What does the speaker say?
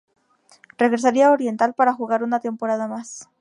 Regresaría a Oriental para jugar una temporada más.